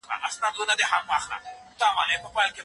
زه به نن شپه د فضايي تکنالوژۍ په اړه یو نوی کتاب ولولم.